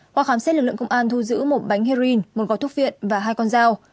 qua khám xét lực lượng công an thu giữ một bánh heroin một gói thuốc viện và hai con dao